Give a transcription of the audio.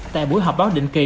tại buổi họp báo định kỳ